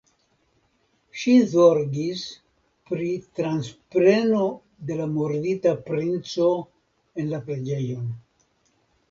Ŝi zorgis pri transpreno de la murdita princo en la preĝejon.